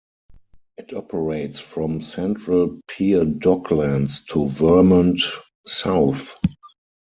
It operates from Central Pier Docklands to Vermont South.